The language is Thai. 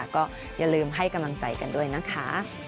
ก็อย่าลืมให้กำลังใจกันด้วยนะคะ